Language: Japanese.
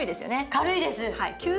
軽いです。